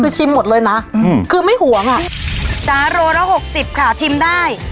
คือชิมหมดเลยนะคือไม่ห่วงอ่ะจ๋าโลละ๖๐ค่ะชิมได้